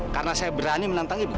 karena saya berani menantang ibu